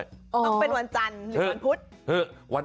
ต้องเป็นวันจันทร์หรือวันพุธ